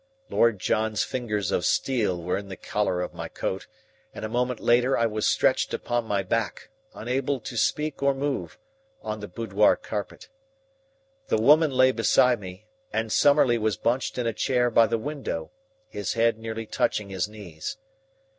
Lord John's fingers of steel were in the collar of my coat, and a moment later I was stretched upon my back, unable to speak or move, on the boudoir carpet. The woman lay beside me, and Summerlee was bunched in a chair by the window, his head nearly touching his knees.